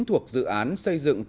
thuộc dự án xây dựng cầu dân sinh